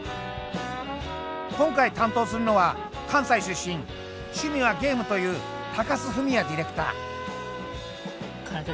今回担当するのは関西出身趣味はゲームという高須郁弥ディレクター。